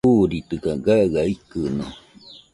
Uuritɨkaɨ gaɨa ikɨno